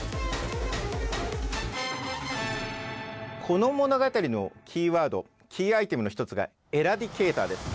この物語のキーワードキーアイテムの一つがエラディケイターです。